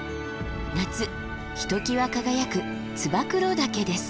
夏ひときわ輝く燕岳です。